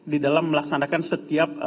di dalam melaksanakan setiap